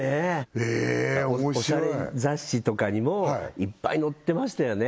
えーっおもしろいおしゃれ雑誌とかにもいっぱい載ってましたよね